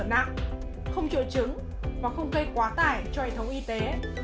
họ không bị trở nặng không triệu chứng và không gây quá tải cho hệ thống y tế